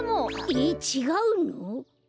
えちがうの？